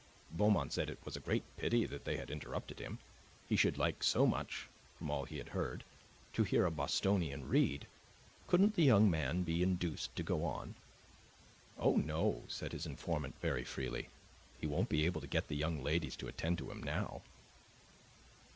Beaumont said it was a great pity that they had interrupted him; he should like so much (from all he had heard) to hear a Bostonian read. Couldn't the young man be induced to go on? "Oh no," said his informant very freely; "he wouldn't be able to get the young ladies to attend to him now."